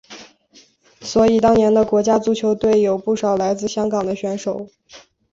所以当年的国家足球队有不少来自香港的选手。